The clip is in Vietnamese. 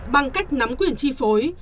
bằng cách nắm quyền chi phối